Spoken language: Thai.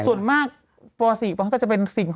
กรมป้องกันแล้วก็บรรเทาสาธารณภัยนะคะ